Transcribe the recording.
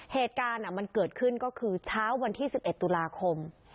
เหตุการณ์มันเกิดขึ้นก็คือเช้าวันที่๑๑ตุลาคม